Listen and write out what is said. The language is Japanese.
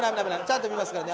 ちゃんと見ますからね。